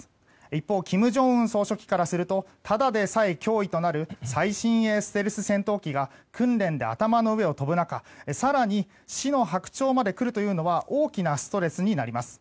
一方、金正恩総書記からするとただでさえ脅威となる最新鋭ステルス戦闘機が訓練で頭の上を飛ぶ中更に、死の白鳥まで来るというのは大きなストレスになります。